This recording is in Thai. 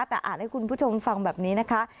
แต่อ่านให้คุณผู้ชมฟังแบบนี้นะคะ